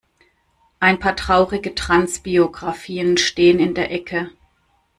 Ein paar traurige Trans-Biografien stehen in der Ecke.